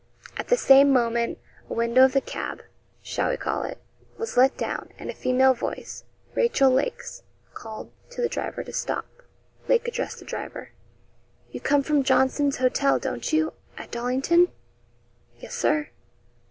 "' At the same moment, a window of the cab shall we call it was let down, and a female voice Rachel Lake's called to the driver to stop. Lake addressed the driver 'You come from Johnson's Hotel don't you at Dollington?' 'Yes, Sir.'